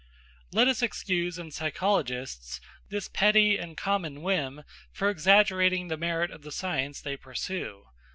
" Let us excuse in psychologists this petty and common whim for exaggerating the merit of the science they pursue.